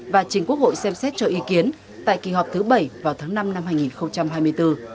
và chính quốc hội xem xét cho ý kiến tại kỳ họp thứ bảy vào tháng năm năm hai nghìn hai mươi bốn